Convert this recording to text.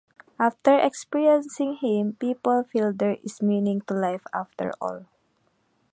After experiencing him, people feel there is meaning to life after all.